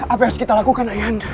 apa yang harus kita lakukan